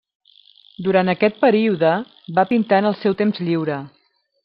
Durant aquest període, va pintar en el seu temps lliure.